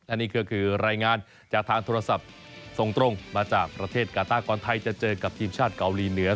และนี่ก็คือรายงานจากทางโทรศัพท์ส่งตรงมาจากประเทศกาต้าก่อนไทยจะเจอกับทีมชาติเกาหลีเหนือ